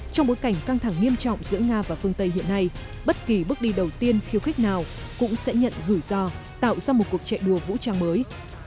trong bối cảnh căng thẳng nghiêm trọng giữa nga và phương tây hiện nay bất kỳ bước đi đầu tiên khiêu khích nào cũng sẽ nhận rủi ro tạo ra một cuộc chạy đua vũ trang mới